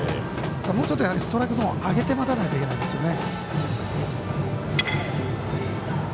もうちょっとストライクゾーンあけて待たなくちゃいけないですね。